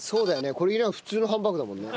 これ入れないと普通のハンバーグだもんね。